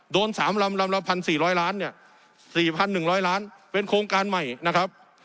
โดน๓ลำลำละ๑๔๐๐ล้านเนี่ย๔๑๐๐ล้านเป็นโครงการใหม่นะครับ